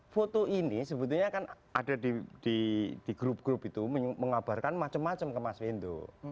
foto ini sebetulnya kan ada di grup grup itu mengabarkan macam macam ke mas windu